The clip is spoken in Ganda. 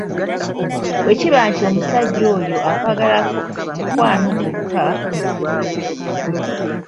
Bwe kiba nti omusajja oyo akwagalako "mukwano" gwokka,